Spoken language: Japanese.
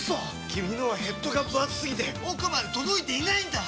君のはヘッドがぶ厚すぎて奥まで届いていないんだっ！